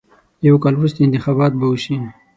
یو کال وروسته انتخابات به وشي.